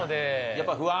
やっぱり不安？